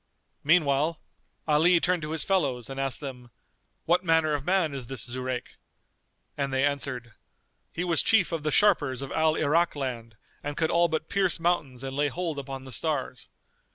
Meanwhile Ali turned to his fellows and asked them, "What manner of man is this Zurayk?"; and they answered, "He was chief of the sharpers of Al Irak land and could all but pierce mountains and lay hold upon the stars.